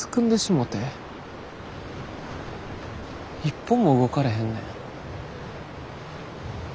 一歩も動かれへんねん。